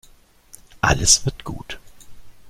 Alles wird gut.